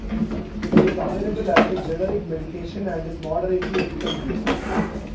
It is available as a generic medication and is moderately expensive.